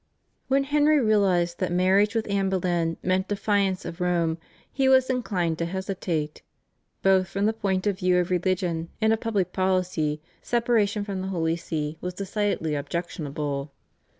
When Henry realised that marriage with Anne Boleyn meant defiance of Rome he was inclined to hesitate. Both from the point of view of religion and of public policy separation from the Holy See was decidedly objectionable.